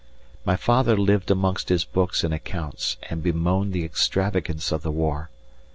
My father lived amongst his books and accounts, and bemoaned the extravagance of the war.